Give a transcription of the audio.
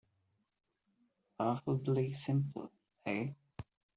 Laughably simple, eh?